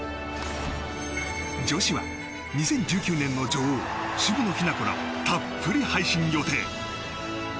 女子は２０１９年の女王渋野日向子らをたっぷり配信予定。